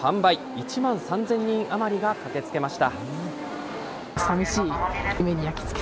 １万３０００人余りが駆けつけました。